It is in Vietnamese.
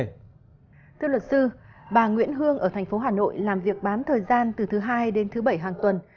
thưa luật sư bà nguyễn hương ở thành phố hà nội làm việc bán thời gian từ thứ hai đến thứ bảy hàng tuần